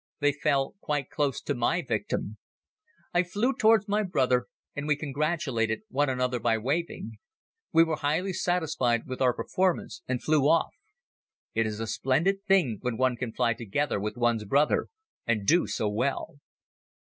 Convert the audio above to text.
They fell quite close to my victim. I flew towards my brother and we congratulated one another by waving. We were highly satisfied with our performance and flew off. It is a splendid thing when one can fly together with one's brother and do so well.